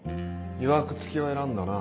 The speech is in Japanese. いわく付きを選んだな。